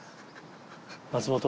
松本？